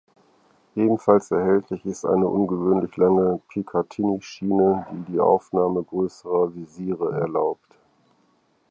Ebenfalls erhältlich ist eine ungewöhnlich lange Picatinny-Schiene, die die Aufnahme größerer Visiere erlaubt.